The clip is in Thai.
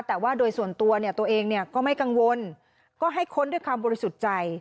แต่ว่าโดยส่วนตัวเนี่ยตัวเองเนี่ยก็ไม่กังวลก็ให้ค้นด้วยความบริสุทธิ์ใจ